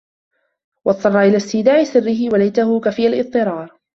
وَاضْطَرَّ إلَى اسْتِيدَاعِ سِرِّهِ وَلَيْتَهُ كُفِيَ الِاضْطِرَارُ